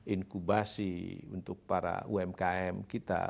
inkubasi untuk para umkm kita